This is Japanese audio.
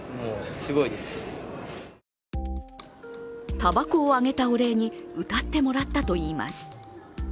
たばこをあげたお礼に歌ってもらったといいます。